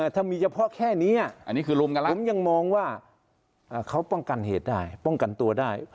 ถ้ามีเฉพาะแค่นี้ผมยังมองว่าเขาป้องกันเหตุได้ป้องกันตัวได้